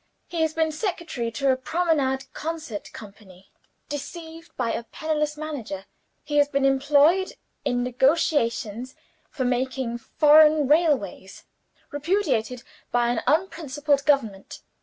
He has been secretary to a promenade concert company deceived by a penniless manager. He has been employed in negotiations for making foreign railways repudiated by an unprincipled Government.